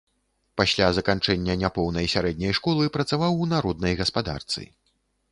Пасля заканчэння няпоўнай сярэдняй школы працаваў у народнай гаспадарцы.